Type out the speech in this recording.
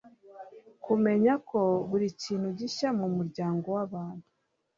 kumenya ko buri kintu gishya mu muryango w'abantu